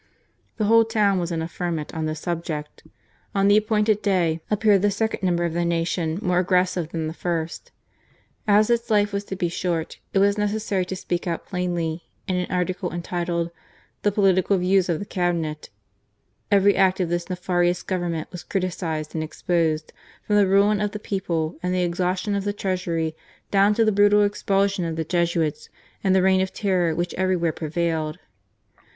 The whole town was in a ferment on this subject. On the appointed day appeared the second number of the Nacion more aggressive than the first. As its life was to be short, it was necessary to speak out plainly. In an article entitled "The Political views of the Cabinet," every act of this nefarious Government was criticized and exposed, from the ruin of the people and the exhaustion of the Treasury down to the brutal expulsion of the Jesuits and the Reign of Terror which everywhere pre vailed.